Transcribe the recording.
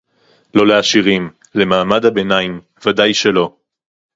לא לעשירים, למעמד הביניים ודאי שלא